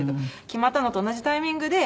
決まったのと同じタイミングで。